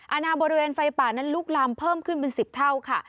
อาณาบริเวณไฟป่านั้นลุกลามเพิ่มขึ้นเป็น๑๐เท่าค่ะ